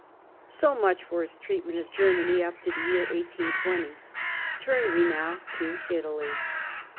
80 much for his treatment of Germany up to the year 1820. Turn we now to Italy.